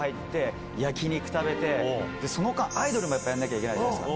その間アイドルもやらなきゃいけないじゃないですか。